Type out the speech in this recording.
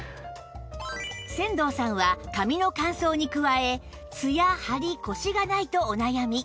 千導さんは髪の乾燥に加えツヤハリコシがないとお悩み